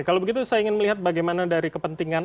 kalau begitu saya ingin melihat bagaimana dari kepentingan